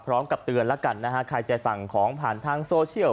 พร้อมกับเตือนแล้วกันนะฮะใครจะสั่งของผ่านทางโซเชียล